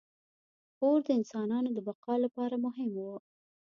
• اور د انسانانو د بقا لپاره مهم و.